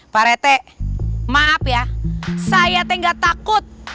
pak rete maaf ya saya tenggat takut